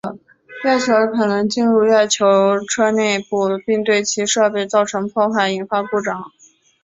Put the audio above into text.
月尘可能进入月球车内部并对其设备造成破坏引发故障。